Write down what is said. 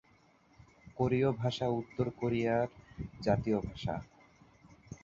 কোরীয় ভাষা উত্তর কোরিয়ার জাতীয় ভাষা।